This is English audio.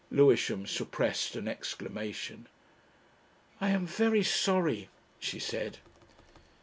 Lewisham suppressed an exclamation. "I am very sorry," she said.